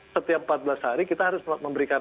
setiap empat belas hari kita harus memberikan